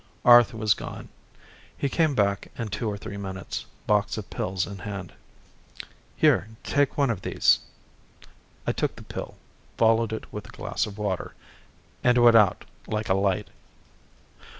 Arth was gone. He came back in two or three minutes, box of pills in hand. "Here, take one of these." I took the pill, followed it with a glass of water. And went out like a light.